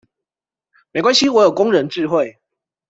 沒關係我有工人智慧